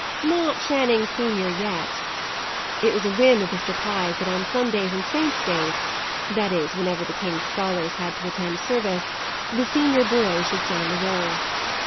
Not "Channing, senior," yet. It was a whim of Mr. Pye's that on Sundays and saints' day that is, whenever the king's scholars had to attend service the senior boy should sign the roll.